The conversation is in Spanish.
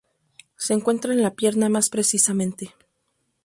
Se encuentra en la pierna más precisamente.